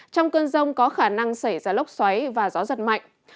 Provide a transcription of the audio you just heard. trong cơn rông có khả năng xảy ra lốc xoáy và gió giật mạnh